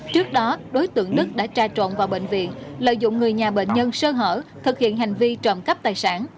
trước đó đối tượng đức đã tra trộn vào bệnh viện lợi dụng người nhà bệnh nhân sơ hở thực hiện hành vi trộm cắp tài sản